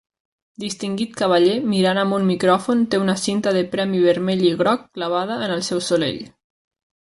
Distingit cavaller mirant amb un micròfon té una cinta de premi vermell i groc clavada en el seu solell.